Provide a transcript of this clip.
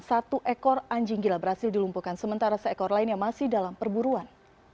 satu ekor anjing gila berhasil dilumpuhkan sementara seekor lainnya masih dalam perburuan